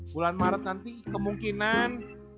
bulan maret nanti kemungkinan